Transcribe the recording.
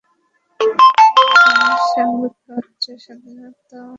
তিনি সংবাদপত্রের স্বাধীনতা ও মানবাধিকার বিষয়ে সোচ্চার।